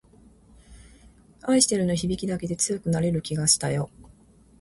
愛してるの響きだけで強くなれる気がしたよ